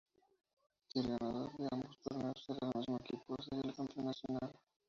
Si el ganador de ambos torneos era el mismo equipo, sería el campeón nacional.